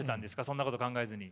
そんなこと考えずに。